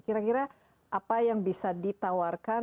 kira kira apa yang bisa ditawarkan agar ada kekuatan